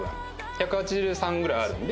１８３ぐらいあるんで。